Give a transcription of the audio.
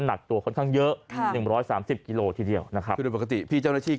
หนักตัวค่อนข้างเยอะ๑๓๐กิโลทีเดียวนะครับปกติพี่เจ้าหน้าชีวิต